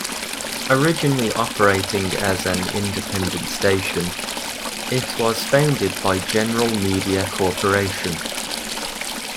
Originally operating as an independent station, it was founded by General Media Corporation.